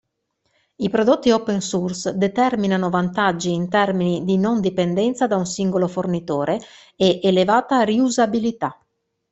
I prodotti open source determinano vantaggi in termini di non dipendenza da un singolo fornitore e elevata riusabilità.